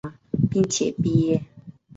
并且毕业。